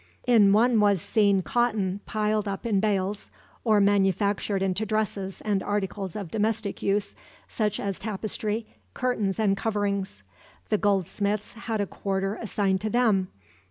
In one was seen cotton piled up in bales, or manufactured into dresses and articles of domestic use, such as tapestry, curtains and coverings. The goldsmiths had a quarter assigned to them.